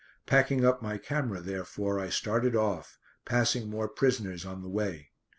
Packing up my camera, therefore, I started off, passing more prisoners on the way.